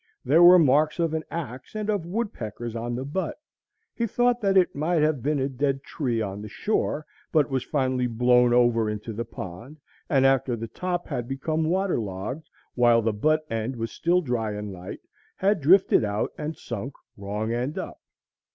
There were marks of an axe and of woodpeckers on the butt. He thought that it might have been a dead tree on the shore, but was finally blown over into the pond, and after the top had become waterlogged, while the butt end was still dry and light, had drifted out and sunk wrong end up.